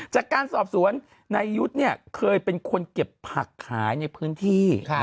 จากการสอบสวนนายยุทธ์เนี่ยเคยเป็นคนเก็บผักขายในพื้นที่